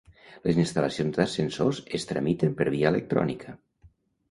Les instal·lacions d'ascensors es tramiten per via electrònica.